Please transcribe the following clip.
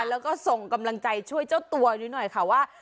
แล้วก็ส่งกำลังใจช่วยเจ้าตัวนี้หน่อยค่ะว่า